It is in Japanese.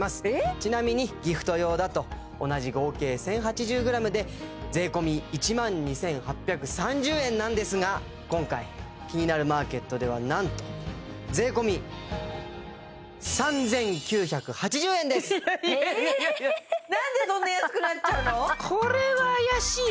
ちなみにギフト用だと同じ合計１０８０ｇで税込１万２８３０円なんですが今回キニナルマーケットではなんと税込いやいやなんでそんな安くなっちゃうの？